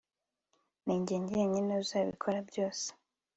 Ninjye njyenyine uzabikora byose